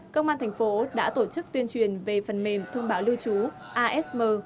công an thành phố đã tổ chức tuyên truyền về phần mềm thông báo lưu trú asm